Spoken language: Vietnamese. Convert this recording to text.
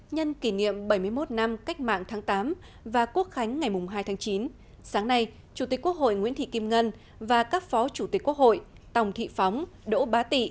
nhân kỷ niệm bảy mươi một năm cách mạng tháng tám và quốc khánh ngày hai tháng chín sáng nay chủ tịch quốc hội nguyễn thị kim ngân và các phó chủ tịch quốc hội tòng thị phóng đỗ bá tị